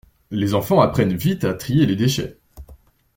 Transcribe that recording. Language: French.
Les enfants apprennent vite à trier les déchets.